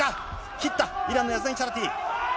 切った、イランのヤズダニチャラティ。